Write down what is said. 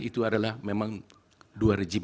itu adalah memang dua rejim